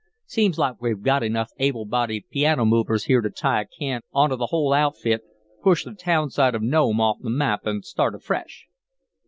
Seems like we've got enough able bodied piano movers here to tie a can onto the whole outfit, push the town site of Nome off the map, and start afresh."